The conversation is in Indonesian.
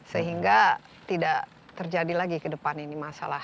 sehingga tidak terjadi lagi ke depan ini masalah